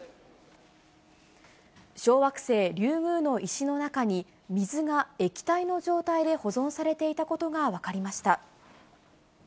小惑星リュウグウの石の中に、水が液体の状態で保存されていたことが分かりました。